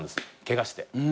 ケガして。